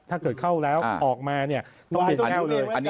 ถ้าเกิดเข้าแล้วออกมาต้องเปลี่ยนแต้วเลย